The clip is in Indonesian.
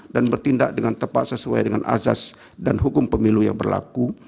dan bertindak dengan tepat sesuai dengan azas dan hukum pemilu yang berlaku